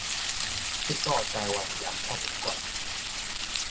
七股臺灣鹽博物館